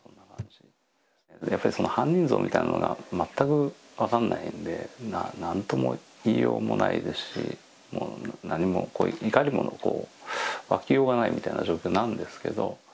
やっぱりその、犯人像みたいなのが全く分かんないんで、なんとも言いようもないですし、もう何も、怒りがわきようがないみたいな状況なんですけど。